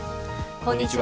こんにちは。